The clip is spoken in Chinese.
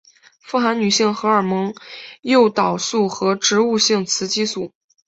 富含女性荷尔蒙诱导素和植物性雌激素。